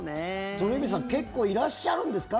鳥海さん結構いらっしゃるんですか？